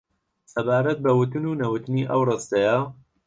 سەبارەت بە وتن و نەوتنی ئەو ڕستەیە